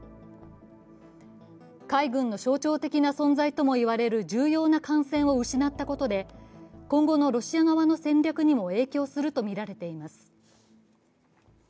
海軍の象徴的な存在ともいわれる重要な艦船を失ったことで今後のロシア側の戦略にも影響するとみられています。